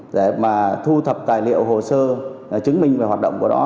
để mà thu thập tài liệu hồ sơ chứng minh về hoạt động của nó